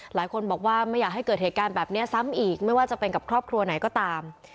หลายคนบอกว่าไม่อยากให้เกิดเหตุการณ์แบบนี้ซ้ำอีกไม่ว่าจะเป็นกับครอบครัวไหนก็ตาม